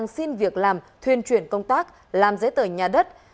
xin việc làm thuyên chuyển công tác làm giấy tờ nhà đất